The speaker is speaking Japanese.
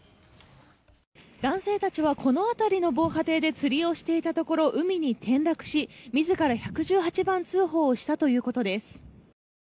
男性たちはこの辺りの防波堤で釣りをしていたところ海に転落し自ら１１８番通報をしたということです。